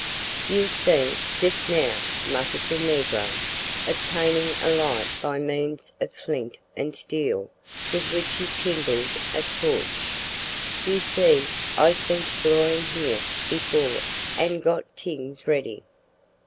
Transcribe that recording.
"You'll see, jus' now," muttered the negro, obtaining a light by means of flint and steel, with which he kindled a torch. "You see I's bin 'splorin' here before an' got t'ings ready."